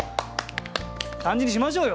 感じにしましょうよ！